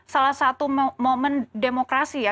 salah satu momen demokrasi ya